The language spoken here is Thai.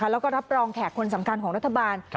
แล้วก็รับรองแขกคนสำคัญของรัฐบาล